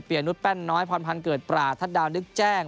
ยนุษยแป้นน้อยพรพันธ์เกิดปราทัศดาวนึกแจ้ง